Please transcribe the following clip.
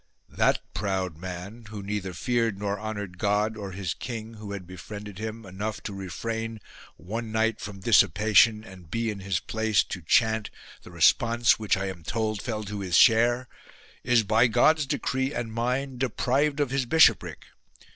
" That proud man, who neither feared nor honoured God or his king who had befriended him, enough to refrain one night from dissipation and be in his place to chant the response which I am told fell to his share, is by God's decree and mine deprived of his bishopric.